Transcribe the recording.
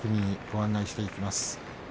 ご案内していきます。